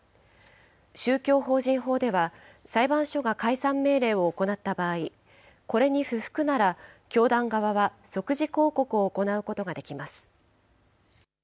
宗教法人法では、裁判所が解散命令を行った場合、これに不服なら、教団側は即時抗告を行うことができます。